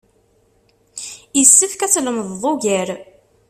Isefk ad tlemdeḍ ugar.